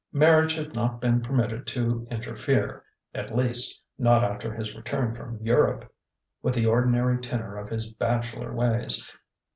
Marriage had not been permitted to interfere at least, not after his return from Europe with the ordinary tenor of his bachelor ways.